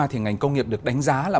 thì ngành công nghiệp được đánh giá là